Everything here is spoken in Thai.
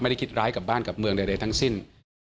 คิดร้ายกับบ้านกับเมืองใดทั้งสิ้น